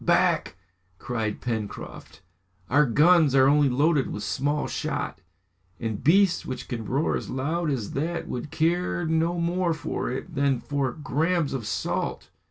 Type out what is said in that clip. "Back!" cried Pencroft. "Our guns are only loaded with small shot, and beasts which can roar as loud as that would care no more for it than for grams of salt!".